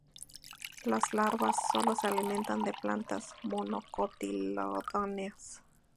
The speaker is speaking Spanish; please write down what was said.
Las larvas solo se alimentan de plantas monocotiledóneas.